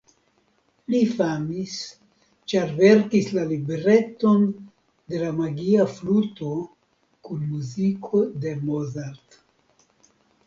Li famis ĉar verkis la libreton de La magia fluto kun muziko de Mozart.